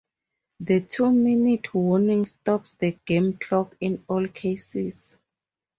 The two-minute warning stops the game clock in all cases.